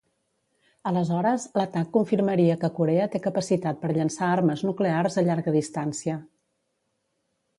Aleshores, l'atac confirmaria que Corea té capacitat per llençar armes nuclears a llarga distància.